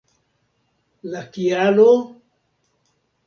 La kialo ?